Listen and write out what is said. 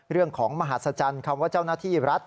เรื่องของมหัศจรรย์คำว่าเจ้าหน้าที่รัฐ